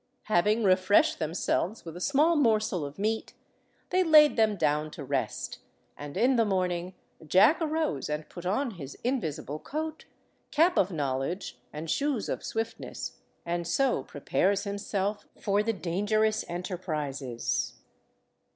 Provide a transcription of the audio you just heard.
Having refreshed themselves with a small morsel of meat, they laid them down to rest, and in the morning Jack arose and put on his invisible coat, cap of knowledge, and shoes of swiftness, and so prepares himself for the dangerous enterprises.